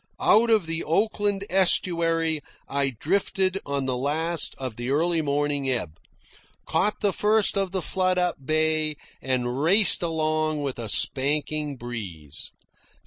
Out of the Oakland Estuary I drifted on the last of an early morning ebb, caught the first of the flood up bay, and raced along with a spanking breeze.